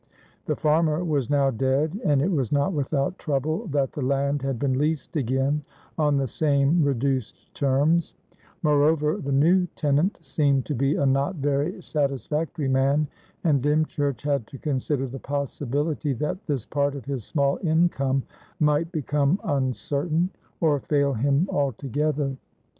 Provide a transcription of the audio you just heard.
The farmer was now dead, and it was not without trouble that the land had been leased again on the same reduced terms; moreover, the new tenant seemed to be a not very satisfactory man, and Dymchurch had to consider the possibility that this part of his small income might become uncertain, or fail him altogether.